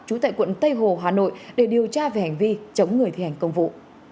trú tại quận tây hồ hà nội để điều tra về hành vi chống người thi hành công vụ